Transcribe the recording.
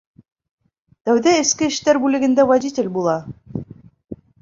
Тәүҙә эске эштәр бүлегендә водитель була.